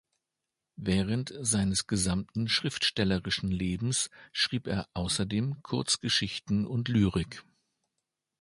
Während seines gesamten schriftstellerischen Lebens schrieb er außerdem Kurzgeschichten und Lyrik.